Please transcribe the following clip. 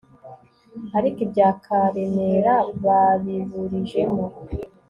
ariko ibya karemera babiburijemo